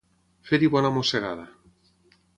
Fer-hi bona mossegada.